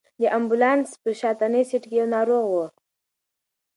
د امبولانس په شاتني سېټ کې یو ناروغ و.